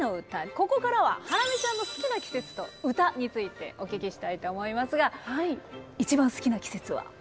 ここからはハラミちゃんの好きな季節と歌についてお聞きしたいと思いますが一番好きな季節は？